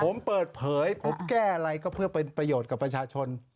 ผมเปิดเผยผมแก้อะไรก็เพื่อเป็นประโยชน์กับประชาชน